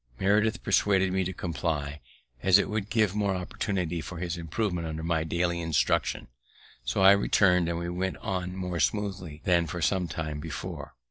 Meredith persuaded me to comply, as it would give more opportunity for his improvement under my daily instructions; so I return'd, and we went on more smoothly than for some time before.